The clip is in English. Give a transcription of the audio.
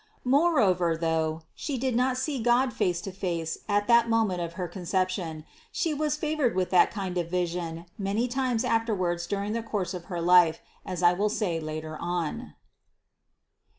Moreover, though, She did not see God face to face at that moment of her Conception, She was favored with that kind of vision many times afterwards during the course of her life, as I will say later on.